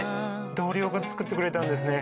同僚が作ってくれたんですね。